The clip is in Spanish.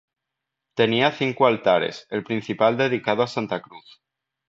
Tenía cinco altares, el principal dedicado a Santa Cruz.